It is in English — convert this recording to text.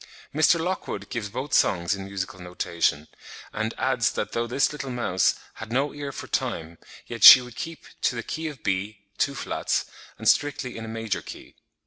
Mr. Lockwood gives both songs in musical notation; and adds that though this little mouse "had no ear for time, yet she would keep to the key of B (two flats) and strictly in a major key."..."